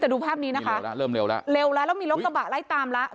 แต่ดูภาพนี้นะคะแล้วเริ่มเร็วแล้วเร็วแล้วแล้วมีรถกระบะไล่ตามแล้ว